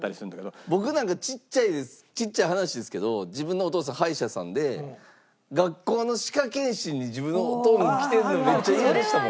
僕なんかちっちゃいですちっちゃい話ですけど自分のお父さん歯医者さんで学校の歯科検診に自分のオトンが来てるのめっちゃイヤでしたもん。